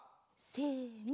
せの。